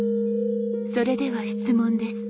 それでは質問です。